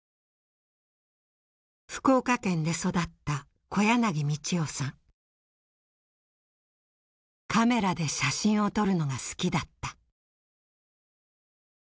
福岡県で育ったカメラで写真を撮るのが好きだった。